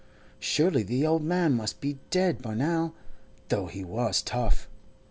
Surely the old man must be dead by now, though he was tough.